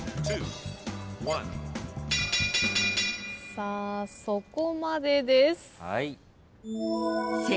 さあそこまでです。